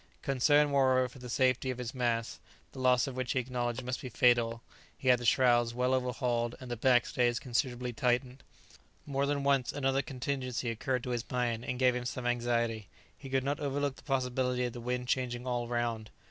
Concerned, moreover, for the safety of his masts, the loss of which he acknowledged must be fatal, he had the shrouds well overhauled and the backstays considerably tightened. More than once another contingency occurred to his mind, and gave him some anxiety. He could not overlook the possibility of the wind changing all round.